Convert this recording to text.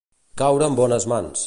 Caure en bones mans.